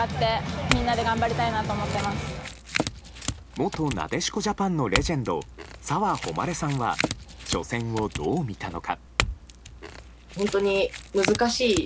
元なでしこジャパンのレジェンド澤穂希さんは初戦をどう見たのか。